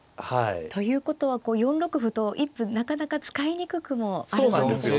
ということは４六歩と一歩なかなか使いにくくもあるわけですか。